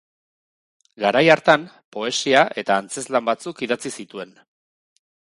Garai hartan, poesia eta antzezlan batzuk idatzi zituen.